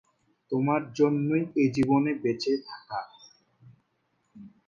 তোমার জন্যই এজীবনে বেঁচে থাকা।